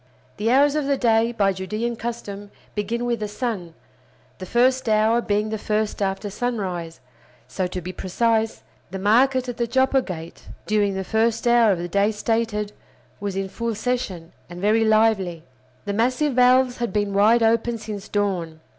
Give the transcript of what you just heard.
The hours of the day, by Judean custom, begin with the sun, the first hour being the first after sunrise; so, to be precise; the market at the Joppa Gate during the first hour of the day stated was in full session, and very lively. The massive valves had been wide open since dawn.